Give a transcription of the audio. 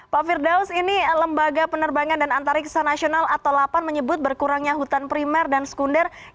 pak firdaus ini lembaga penerbangan dan antariksa nasional atau lapan menyebut berkurangnya hutan primer dan sekunder